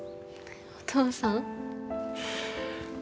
お父さん？